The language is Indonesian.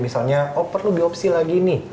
misalnya perlu biopsi lagi nih